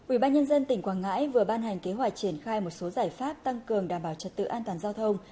ubnd tỉnh quảng ngãi vừa ban hành kế hoạch triển khai một số giải pháp tăng cường đảm bảo trật tự an toàn giao thông